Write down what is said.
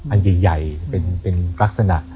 อันใหญ่เป็นลักษณะ